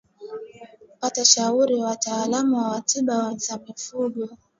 Pata ushauri wa wataalamu wa wa tiba za mifugo